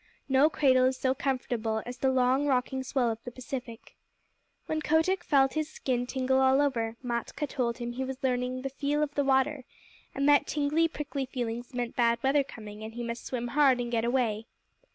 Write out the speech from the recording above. No cradle is so comfortable as the long, rocking swell of the Pacific. When Kotick felt his skin tingle all over, Matkah told him he was learning the "feel of the water," and that tingly, prickly feelings meant bad weather coming, and he must swim hard and get away.